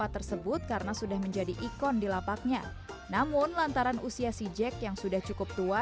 tersebut karena sudah menjadi ikon di lapaknya namun lantaran usia si jack yang sudah cukup tua